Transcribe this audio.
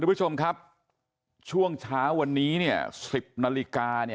ผู้ชมครับช่วงเช้าวันนี้๑๐นาฬิกา